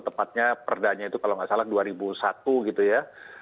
tepatnya perdanya itu kalau nggak salah dua ribu satu gitu ya